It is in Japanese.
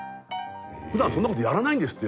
ふだんそんなことやらないんですって